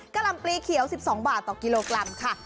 หล่ำปลีเขียว๑๒บาทต่อกิโลกรัมค่ะ